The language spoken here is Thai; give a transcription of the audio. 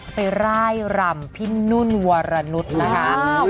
ไปร่ายรำพี่นุ่นวรนุษย์นะคะ